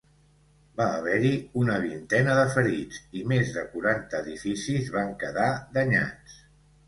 Va haver-hi una vintena de ferits i més de quaranta edificis van quedar danyats.